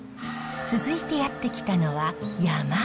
続いてやって来たのは山。